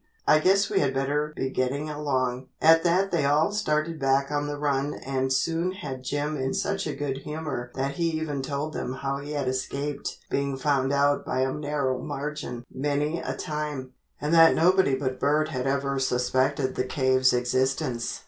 I guess we had better be getting along." At that they all started back on the run and soon had Jim in such a good humor that he even told them how he had escaped being found out by a narrow margin many a time, and that nobody but Bert had even suspected the cave's existence.